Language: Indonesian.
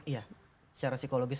ya secara psikologis